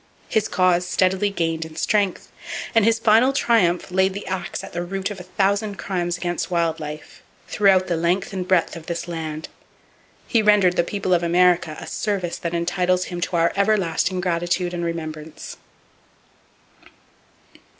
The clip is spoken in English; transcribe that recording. His cause steadily gained in strength; and his final triumph laid the axe at the root of a thousand crimes against wild life, throughout the length and breadth of this land. He rendered the people of America a service that entitles him to our everlasting gratitude and remembrance.